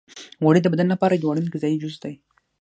غوړې د بدن لپاره یو اړین غذایي جز دی.